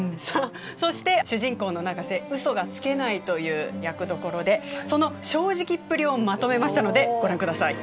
そして主人公の永瀬嘘がつけないという役どころでその正直っぷりをまとめましたのでご覧ください。